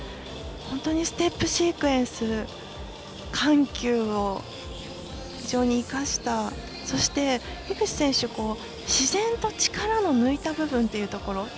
本当にステップシークエンス、緩急を非常に生かしたそして樋口選手、自然と力を抜いた部分というところ。